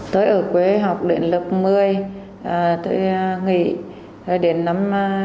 tới ở quê học điện lập một mươi tôi nghỉ đến năm chín một mươi hai